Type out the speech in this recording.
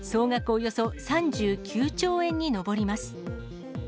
およそ３９兆円に上ります。